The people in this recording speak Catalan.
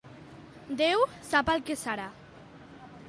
Déu sap el que serà.